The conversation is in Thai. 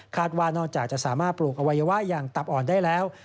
ว่านอกจากจะสามารถปลูกอวัยวะอย่างตับอ่อนได้แล้ว